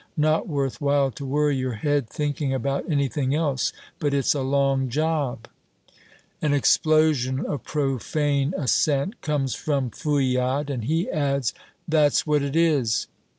Not worth while to worry your head thinking about anything else. But it's a long job." An explosion of profane assent comes from Fouillade, and he adds, "That's what it is!"